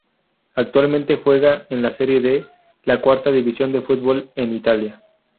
Actualmente juega en la Serie D, la cuarta división de fútbol en Italia.